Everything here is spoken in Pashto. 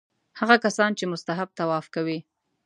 هغه کسان چې مستحب طواف کوي.